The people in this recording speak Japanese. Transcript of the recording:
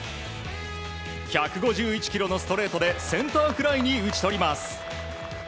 １５１キロのストレートでセンターフライに打ち取ります。